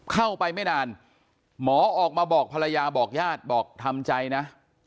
เข้าไปไม่นานหมอออกมาบอกภรรยาบอกญาติบอกทำใจนะ